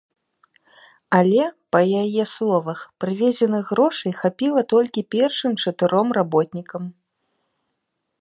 Але, па яе словах, прывезеных грошай хапіла толькі першым чатыром работнікам.